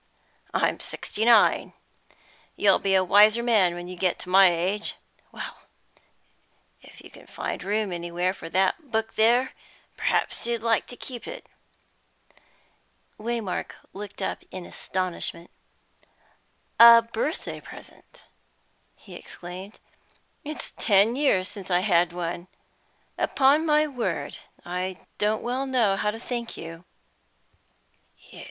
I am sixty nine. You'll be a wiser man when you get to my age. Well, if you can find room anywhere for that book there, perhaps you'd like to keep it!" Waymark looked up in astonishment. "A birthday present!" he exclaimed. "It's ten years since I had one. Upon my word, I don't well know how to thank you!"